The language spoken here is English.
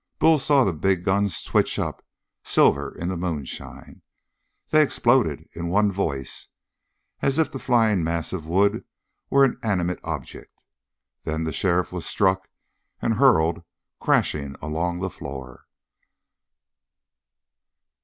Bull saw the big guns twitch up, silver in the moonshine. They exploded in one voice, as if the flying mass of wood were an animate object. Then the sheriff was struck and hurled crashing along the floor.